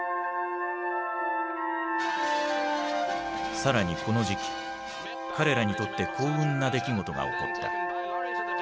更にこの時期彼らにとって幸運な出来事が起こった。